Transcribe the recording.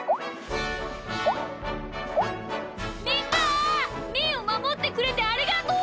みんなみーをまもってくれてありがとう！